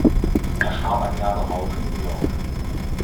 Er starb ein Jahr darauf in New York.